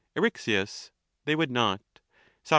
Eryx. They would not. Soc.